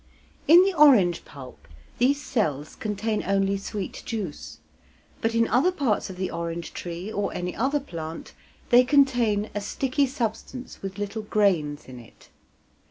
In the orange pulp these cells contain only sweet juice, but in other parts of the orange tree or any other plant they contain a sticky substance with little grains in it.